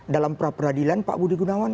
dalam pra peradilan pak budi gunawan